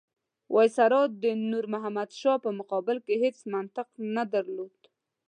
وایسرا د نور محمد شاه په مقابل کې هېڅ منطق نه درلود.